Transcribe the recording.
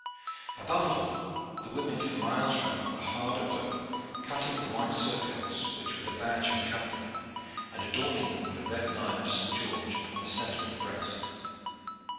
Above all, the women for miles round were hard at work cutting the white surcoats which were the badge of the Company, and adorning them with the red lion of St. George upon the centre of the breast.